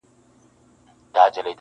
د هر چا په زړه کي اوسم بېګانه یم-